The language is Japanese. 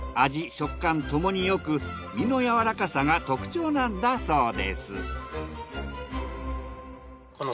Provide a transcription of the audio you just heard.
食感ともによく身のやわらかさが特徴なんだそうです。